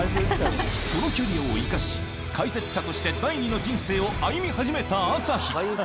そのキャリアを生かし解説者として第二の人生を歩み始めた朝日